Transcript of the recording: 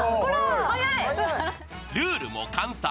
ルールも簡単。